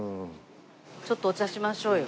ちょっとお茶しましょうよ。